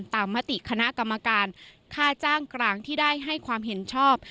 มติคณะกรรมการค่าจ้างกลางที่ได้ให้ความเห็นชอบ